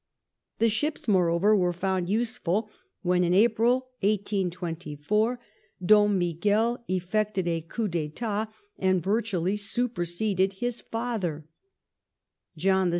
The ships, moreover, were found useful when, in April, 1824, Dom Miguel effected a coup d^etat and virtually superseded his fathei; John VI.